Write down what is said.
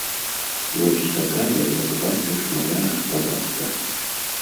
Вось такая, як бачыш, мая гаспадарка.